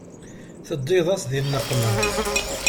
Teddiḍ-as di nneqma.